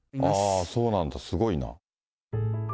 そうなんだ、すごいな。